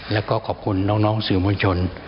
แล้วก็ขอบคุณน้องสื่อมวลชน